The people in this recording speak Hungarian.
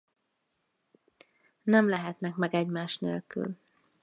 Nem lehetnek meg egymás nélkül.